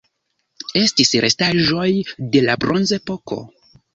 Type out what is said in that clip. Estis restaĵoj de la Bronzepoko.